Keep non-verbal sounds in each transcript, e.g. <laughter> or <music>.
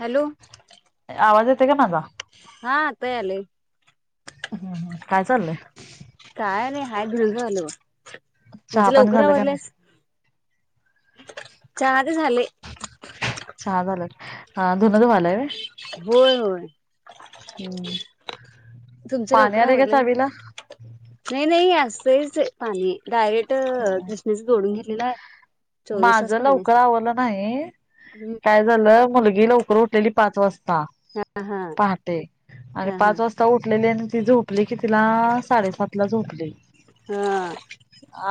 Hello, <unintelligible> माझा हा आत्ता आले हम्म हम्म. काय चाललंय? काय नाही हा ह चहा पाणी झालं का नाही. चहा ते झाले. चहा झालं धुन धुवालाय. होय होय. हम्म. तुमच पाणी लवकर आलंय का आवरलंय चावीला? <unintelligible> नाही नाही- <unintelligible> पाणी डायरेक्ट कृष्णेच जोडून दिलेलाय. माझ लवकर आवरंलं नाही- हम्म काय झालं मुलगी लवकर उठलेली पाच वाजता- हा हा पा पहाटे आणि हा हा पाच वाजता उठलेली आणि ती झोपली कीतिला? साडेसात ला झोपली हा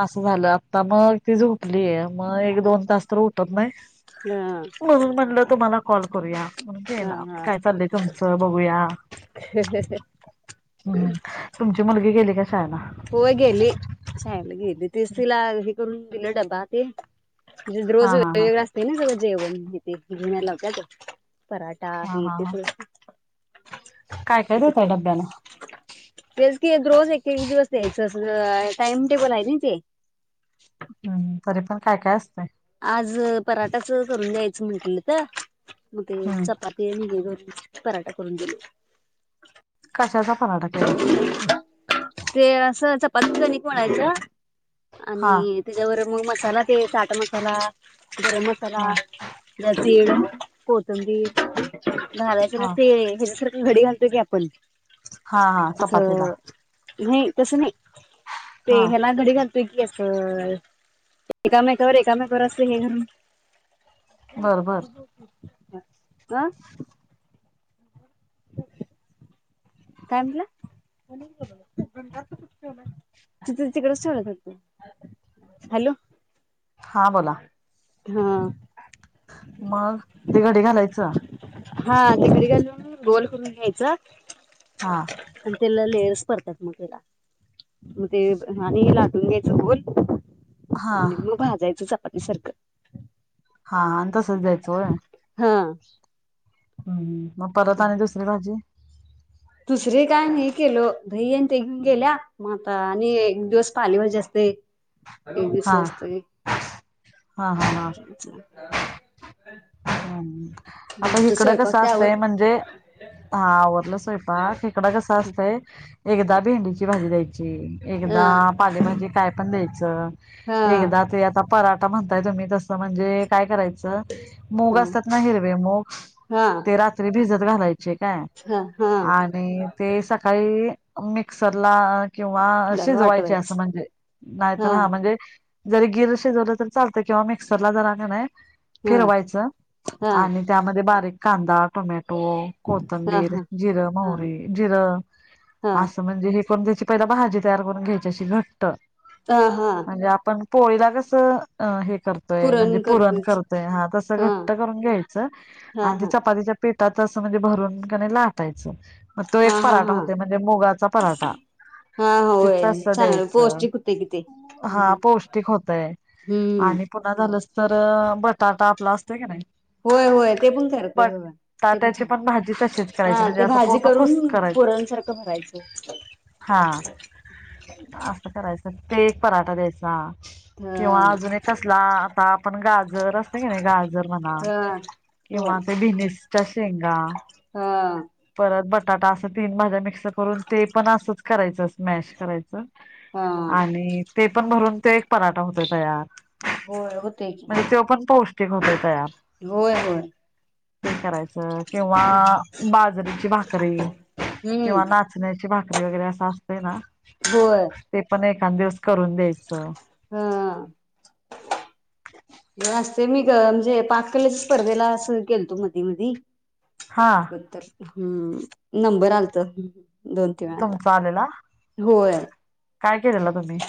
अस झालं आत्ता मग ती झोपली आहे. म एक दोन तास तर उ- हा <unintelligible> म्हणून म्हणलं तुम्हाला. कॉल करूया. हा ना हा काय चाललंय तुमचं बघूया, हम् तुमची मुलगी गेली <unintelligible> <unintelligible> होय गेली छ <unintelligible> करन दिल डबा ते. म्हण हा रोज हा हा <unintelligible> असतय ना <unintelligible> जेवण <unintelligible> पराठा हा आहे हा ते- हा काय काय देतय करू डब्याला <unintelligible> तेच की रोज एक एक दिवस- त्यांचस टाइम टेबल आहे ना ते. हम् तरी पण काय काय असतय? आज पराठाच करून द्यायचं म्हंटल होत. म ते हम्म चपाती <unintelligible> पराठा करून दिल. कशाचा? <unintelligible> पत्च निक मळायचं? हा आणि त्याच्यावर मग मसाला ते टाटा मसाला गरम हा मसाला- तेल कोथंबीर - झाल <unintelligible> हा ते घरी घालतोय की आपण. हा असं चपातीला. नाही तसं नाही. ते हा हेला घडी घालतोय की असं एकामेकावर एकामेकावर अस हे करून बर बर <inaudible> जा काय म्हंटला? तिथ तिकडेच ठेवल्यात हॅलो. हा बोला. हां. मग ते घडी घालायचं? हा तिकडे गोल करून घ्यायच हां. त्याला लेयर्स पडत्यात मग त्याला, मग ते आणि लाटून घ्यायचं गोल हा आणि मग भाजायचं. पाती सारखं <inaudible> हा आणि तसच द्यायचं होय. हा हम्म म परत आणि दुसरी भाजी दुसरे काय नाही केलो दही आणि ते घेऊन गेल्या म आता आणि एक दिवस पाले भाजी असतय. एक दिवस हा हे असतय <inaudible> हा हा हा <inaudible> आता हिकडं कसं ते असतंय आवरला म्हणजे हा आवरलं स्वयंपाक हिकडं कसं असतंय एकदा भेंडीची भाजी द्यायची, हा एकदा पालेभाजी काय पण द्यायच, हा एकदा ते आता पराठा म्हणताय तुम्ही तसं म्हणजे काय करायचं च मूग हा असतात ना हिरवे मुग हा ते रात्री भिजत घालाय ते काय हा हा आणि ते सकाळी मिक्सर ला किंवा तुला शीजवायची असं वाटवायचं म्हणजे नाय तर हा म्हणजे जरी गिर शिजवलं तर चालतं किंवा मिक्सरला जरा कनाय हा फीरवायच. हा आणि त्याम बारीक कांदा टोमॅ टो, हा कोथंबीर, हा जिरं, हा मोरी, जिरं हा असं म्हणजे हे पण त्याची पहिल भाजी तयार करून घ्यायची अशी घट्ट. हा हा म्हणजे आपण पोळीला कसं अ हे करतोय म्हणजे पुरण करतोय हा तस घट्ट करून घ्यायचं हा आणि ती हा चापतीच्या पिटातच असं म्हणजे भरून कनाय लाटाय च मग तो हा एक हा पराठा हा होतय म्हणजे मुगाचा पराठा हा ते होय तस चांगलं द्यायचं पौष्टिक होते कि ते हा हम्म पौष्टिक होतय आणि पुन्हा झालंच तर बटाटा आपला अस होय होय ते पण करतय होय ते पण बटाट्याची छान भाजी तशीच हा करायची म्हणजे ते असं भाजी पूर्ण कुस करून करायच पुरणसारखं भरायचं. हा असं करायचं ते एक पराठा द्यायचा. हा किंवा अजून एक कसला आता आपण गाजर असत की नाही गाजर. म्हणा, हा हो किंवा त्या बिबिस च्या शेंगा हा परत बटाटा असं तीन भाज्या मिक्स करून ते पण असंच करायचं स्मॅश करायचं हा आणि ते पण भरून ते.. पराठा होते तयार. होय होतय की. ते होत.. तयार. होय होय ते करायचं किंवा बाजरीची भाकरी हम्म किंवा नाचण्याची भाकरी वगैरे अस. असतय ना होय ते पण एक. सात देवस. करून द्यायचं. हा असते मी म्हणजे पाककले स्पर्धेला सुरू केलतो मधी मधी. हा कत्तर. हम्म नंबर आलत. दोन तीन वेळा आता तुमच आलेला? होय काय केलेलं तुम्ही?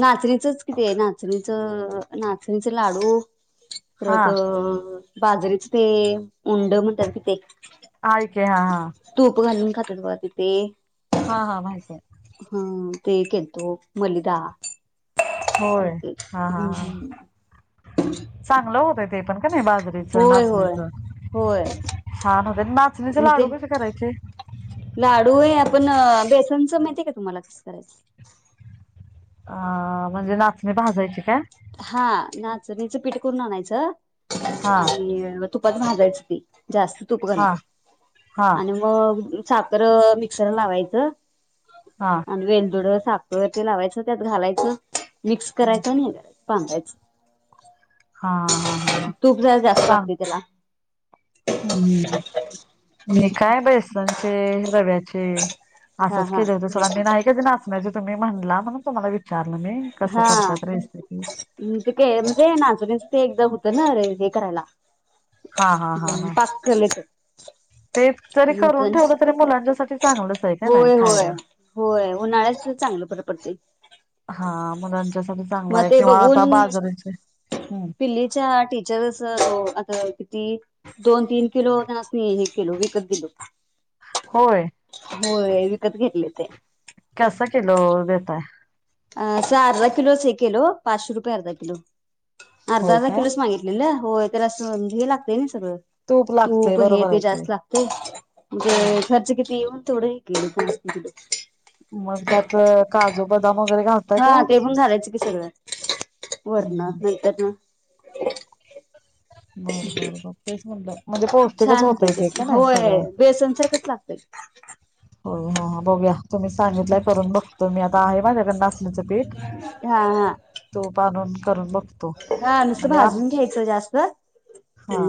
नाचणीचंच कि ते नाचणीचं नाचणीच लाडू. हा परत अ बाजरीच ते उंड म्हणतात कि ते. हाय की हा हा तूप खालून खात्यात बगा ते ते माहितीय ते केलतो मलिदा होय हा हा हा.. चांगलं होतय ते पण की नाही बाजरीच होय होय नाचणीच. होय नाचणीचे मग लाडू ते कसे करायचे. लाडू आहे आपण बेसनच माहितीय का तुम्हाला कस करायचं. अ म्हणजे नाचणी भाजायची काय? हा नाचनी पीठ करून आणायचं.. हा आणि. तुपात भाजायचं ती. जास्त तुप घालून हा हा आणि मग - - साखर मिक्सर ला लावायचं. हा हा आणि वेलदुड साख - - वरती लावायचं त्यात घालायचं मिक्स करायचं आणि - - बांदायचं. हा हा हा हा तूप जरा जास्त सांग लागतंय तेला - - हम्म <inaudible> मी काय बेसन - - चे, रव्याचे, हा असंच हा केले होते सोडा मी नाही कधी ना - - म्हणजे तुम्ही म्हणला म्हणून तुम्हाला वीचा - - हा म्ह ते काय म्हणजे नाचणी च ते एकदा - - नारे हे करायला. हा हा हा हम् हा पाक केले. ते जरी करून ठेवलं तरी मुलांच्या साठी चांगलंच हाय कनी होय होय खायला. होय उन्हाळ्याच चांगलं बरं पडते हा. मुलां मग ते बघून हम्म पिल्लीच्या टीचर च आता किती दोन, तीन किलो तेनासनी हे केलो विकत दिलो. होय. होय. विकत घेतले ते कसा किलो देताय? अ अस अर्धा किलोच हे केलो. पाचशे रुपये अर्धा किलो अर्धा होय अर्धा काय किलोच मागितलेलं. होय. तर असं म्हणजे हे लागतयं नई- - सगळं लागतय तूप हे बरोबर ते आहे की जास्त लागतयं मं ते हम्म खर्च किती येऊन - - तेवढं हे केलो तेनासनी दिलो. मग त्यात काजू, बदाम वगैरे घाल हा ते पण घालायचं की सगळं वरण हम्म नंतर दूध <inaudible> बरं बर बर तेच म्हणलं - - छान त्याचे होय बेसनसारखंच लागतय. हो हो. बघुया. तुम्ही सांगितलंय करून बघतो मी आता आहे माझ्याकडे नाचणीचं पीठ हा हा. तुप आणून करून बघतो. हा नुसतं म्हणजे भाजून आमची घ्यायचं हा.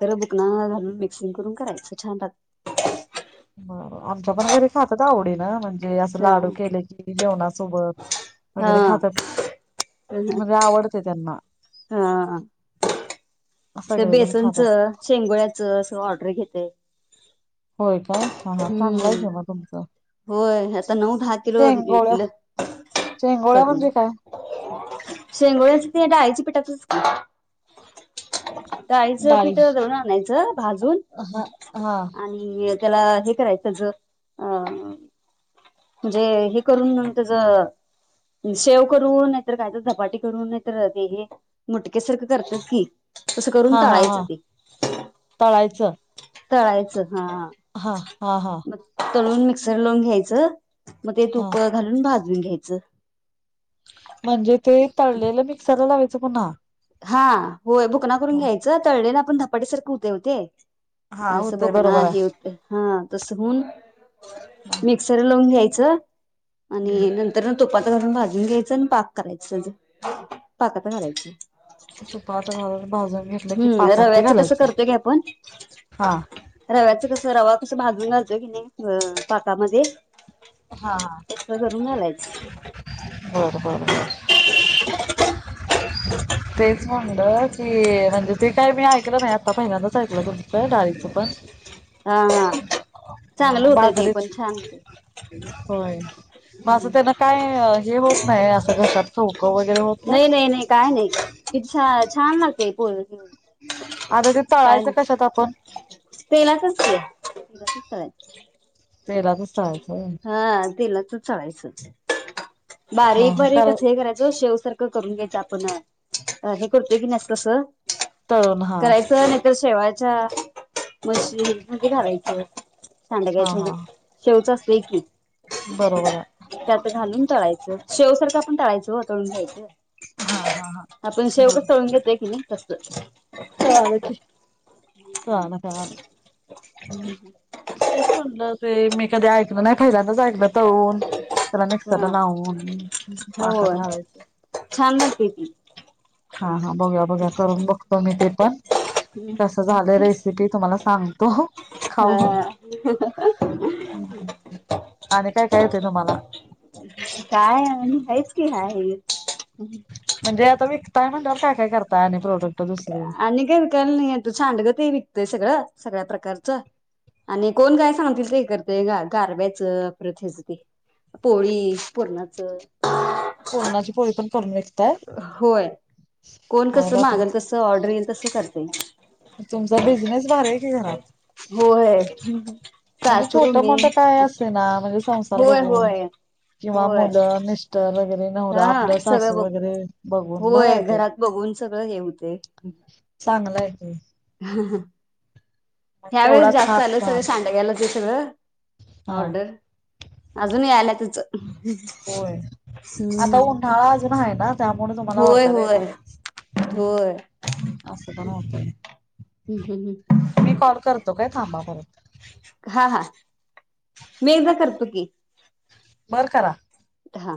खरं बुकणा घालून मिक्सिंग करून करायच छानत <unintelligible> बर आमच्या पण घरी खातात आवडी न म्हणजे अस हा लाडू केले की जेवणासोबत वगैरे हा खातात हा. म्हणजे आवडते त्यांना हा त सगळेजण खातात बेसनचं शेंगोळ्याचं अस ऑर्डर घेते होय काय हा हा चांगलाय हम्म. की मग तुमचं होय आता नऊ दहा किलो शेंगोळ्या विकलं शेंगोळ्या करून म्हणजे काय शेंगोळ्या ते डाळीच्या पिठाच असत डाळीचं डाळी पिठ दळून आणायचं भाजून हा हा आणि त्याला हे करायचं ज अ म्हणजे हे करून त्याच शेव करून नाहीतर काय तर धपाटी करून नाहीतर ते हे मुटकेसारखं करतात की तसं करून हा हा हा तळायचं ते तळायचं तळायचं हा हा हा हा म तळून मिक्स र लवून घ्यायचं <unintelligible> मग ते हा तूप घालून भाज भाजून घ्यायचं म्हणजे ते तळलेला मिक्सरला ला पण हा होय भुकना करून घ्यायचं तळले ना आपण धपाट्यासारखं होते होते. हा असं होतय भुकना ना बरोबर हे आहे हा तस होन हा. मिक्सर लावून घ्यायच च आणि नंतर तुपात घरून भाजून घ्यायचं आणि पाक करायचं पाकात करायच तुप आात घाल भाजून घेतलं की हम्म पाकात ते रव्याचं कसं घालायचे करतोय की आपण हा रव्याचं कसं रवा भाजून घालत कि नाही अ पाातामध्ये हा घालायचं. बर बर बर तेच म्हणलं की म्हणजे ते काय मी ऐकलं नाही आता पहिल्यांदाच ऐकलं तुमचं डाळीच पण हा हा चांगलं होतंय ते पण बाजारेच छान होतंय. होय. मग असं त्यांना काय हे होत नाही असं घशात खव खव नाही नाही नाही काय नाही किती शा छान लागतेय पो आता ते तळायचं कशात आपण तेलातच की तेलातच <unintelligible> तळायचं होय. हा तेलातच तळायच हा बारीक हा तळ बारीकच हे करायचं शेव सरख करून घ्यायचं आपण अ हे करतो की नस तस तळून हा करायचं नाही तर शेवा मशीन मध्ये घालायचं. हा सांडग्याची हा रोज असतंय की बरोबर आहे. ताळायंच शेवसारख आपण तळायचा हो तळून घ्यायचं. हा हा हा आपण शेव कस तळून घेतो. हय की नई तस कळाल की चोळाना चोळाना तेच म्हणलं ते मी कधी ऐकल नाही. पहिल्यांदाच ऐकलं तळुन त्याला मिक्सरला हा लावून पाखात होय घालायचं. छान लागते ती हा हा बघुया बघुया करून बघतो मी ते पण कस झालं रेसिपी तुम्हाला सांग <unintelligible> आणि काय काय येतंय तुम्हाला हा काय आणि हेच की आहे. म्हणजे आता मी काय म्हणल्यावर काय काय करता आणि प्रोडक्ट. दुसरे आणि काही विकायला नही येत सांडग ते विकतंय सगळं. सगळ्या प्रकारचं आणि कोण काय सांगतील ते हे करते ग गारब्याचं परत याच ते पोळी पुरणाचं पुरणाची पोळी पण करून विकताय होय कोण कस अरे बापरे मागल तस ऑर्डर येईल तस कर हो तुमचा बिझनेस भारी आहे कि घरात.. हम हम म्हणजे छोट मोठ काय असे ना म्हणजे संसार होय बघून होय किंवा होय मुलं निष्ठ वगैरे नवरा हा आपलं सगळं सासू वगैरे बघून बघून होय बरं ते घरात बघून सगळं येऊते.. चांगलं आहे क.. हा हा ह्या वेळेस तेवढाच जास्त आले हातभार सगळे सांडग्यायला दिस.. ते हा ऑर्डर अजून आला. त्याचं होय आता हम्म उन्हाळा आहे ना. त्यामुळे तुम्हाला होय ऑर्डर होय येणार होय अस पण होतय हम्म हम्म मी कॉल करतो काय थांबापर्यंत.. मीदा करतो की.. बरं खरा हा